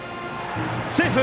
セーフ！